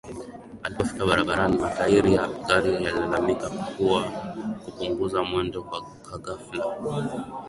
Alipofika barabarani matairi ya gari yalilalamika kwa kupunguza mwendo ka ghafla